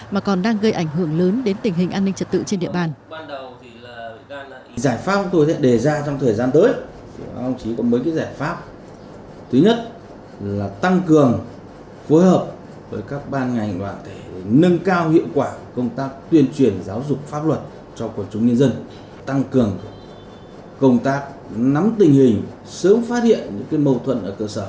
mà còn đang gây ảnh hưởng lớn đến tình hình an ninh trật tự trên địa bàn